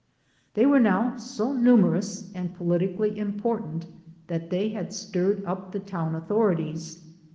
They were now so numerous and politically important that they had stirred up the town authorities.